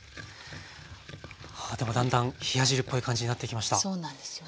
あでもだんだん冷や汁っぽい感じになってきました。